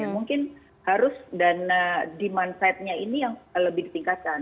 mungkin harus dana demand side nya ini yang lebih ditingkatkan